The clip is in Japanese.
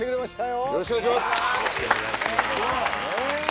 よろしくお願いしますねえ